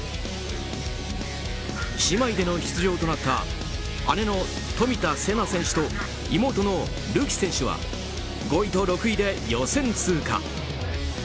姉妹での出場となった姉の冨田せな選手と妹のるき選手は５位と６位で予選通過。